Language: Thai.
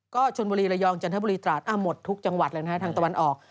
ก็ชนบุรีระยองจันทบุรีตราดหมดทุกจังหวัดเลยนะฮะทางตะวันออก